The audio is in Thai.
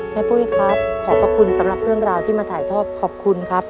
ปุ้ยครับขอบพระคุณสำหรับเรื่องราวที่มาถ่ายทอดขอบคุณครับ